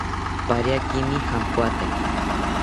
Pariakimi jampoathaki